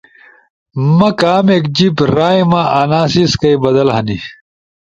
ما کامیک جیِب رائما انا سیسکئی بدل ہنی